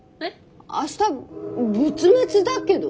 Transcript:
明日仏滅だけど。